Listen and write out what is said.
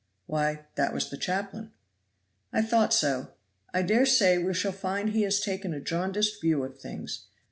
"Why, that was the chaplain." "I thought so! I dare say we shall find he has taken a jaundiced view of things.